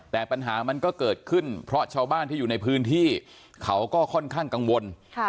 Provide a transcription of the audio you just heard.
แต่ปัญหามันก็เกิดขึ้นเพราะชาวบ้านที่อยู่ในพื้นที่เขาก็ค่อนข้างกังวล